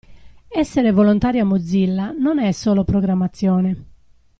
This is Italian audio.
Essere volontaria Mozilla non è solo programmazione.